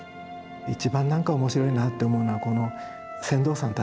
一番何か面白いなって思うのはこの船頭さんたちですね。